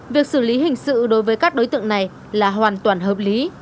việc xử lý hình sự đối với các đối tượng này là hoàn toàn hợp lý